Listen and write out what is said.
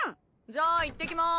じゃあいってきます。